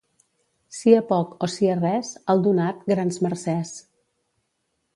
Sia poc o sia res, al donat, grans mercès.